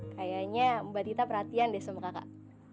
kayaknya mbak tita perhatian deh sama kakak